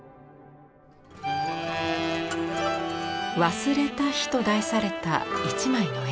「忘れた日」と題された一枚の絵。